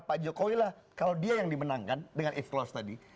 pak jokowi lah kalau dia yang dimenangkan dengan eve close tadi